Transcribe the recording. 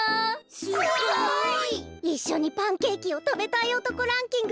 すごい！いっしょにパンケーキをたべたいおとこランキング